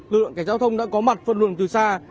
lưu lượng giao thông đã có mặt phân luận từ xa